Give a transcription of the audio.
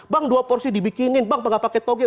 bang dua porsi dibikinin bang gak pakai toge